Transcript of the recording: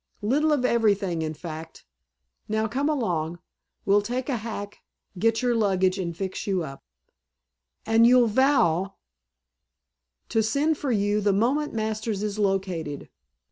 Little of everything, in fact. Now, come along. We'll take a hack, get your luggage, and fix you up." "And you'll vow " "To send for you the moment Masters is located?